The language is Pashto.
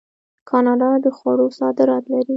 کاناډا د خوړو صادرات لري.